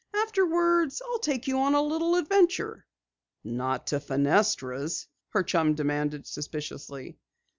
"Afterwards, I'll take you on a little adventure." "Not to Fenestra's?" her chum demanded suspiciously.